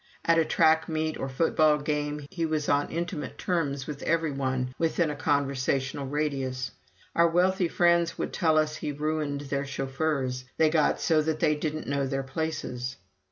At a track meet or football game, he was on intimate terms with every one within a conversational radius. Our wealthy friends would tell us he ruined their chauffeurs they got so that they didn't know their places.